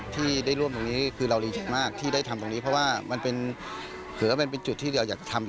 ที่ได้ร่วมตรงนี้คือเรารีเชียงมากที่ได้ทำตรงนี้